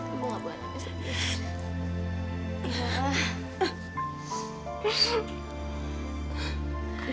ibu gak boleh nangis lagi